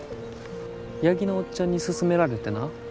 八木のおっちゃんに勧められてな。